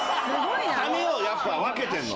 髪をやっぱ分けてんの。